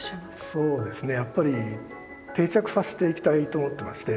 そうですねやっぱり定着させていきたいと思っていまして